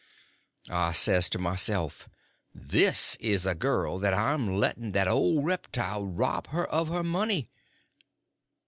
I says to myself, this is a girl that I'm letting that old reptile rob her of her money!